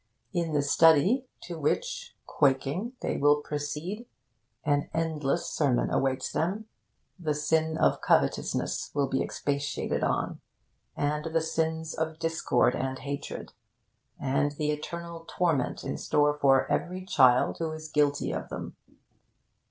In the Study, to which, quaking, they will proceed, an endless sermon awaits them. The sin of Covetousness will be expatiated on, and the sins of Discord and Hatred, and the eternal torment in store for every child who is guilty of them.